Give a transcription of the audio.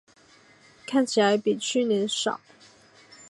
看起来比去年少